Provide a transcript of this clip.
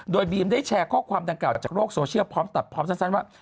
โดยบีมได้แชร์ข้อความดังกล่าจากโลกโซเชียลพร้อมตัดพร้อมสั้นว่า